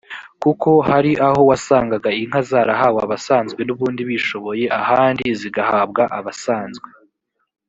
kuko hari aho wasanganga inka zarahawe abasanzwe n ubundi bishoboye ahandi zigahabwa abasanzwe